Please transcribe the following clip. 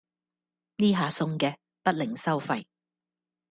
呢下送嘅，不另收費